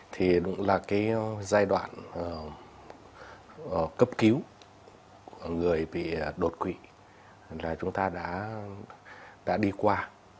thì đúng là cái giai đoạn cấp cứu người bị đột quỵ là chúng ta đã đi qua